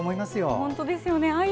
本当ですよね。